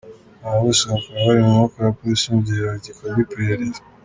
Aba bose bakaba bari mu maboko ya Polisi mu gihe hagikorwa iperereza.